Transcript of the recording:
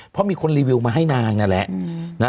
เพราะมีคนรีวิวมาให้นางนั่นแหละ